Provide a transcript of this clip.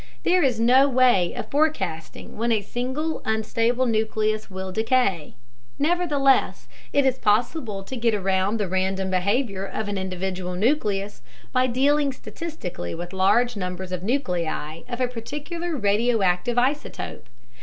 There is no way of forecasting when a single unstable nucleus will decay. Nevertheless, it is possible to get around the random behavior of an individual nucleus by dealing statistically with large numbers of nuclei of a particular radioactive isotope.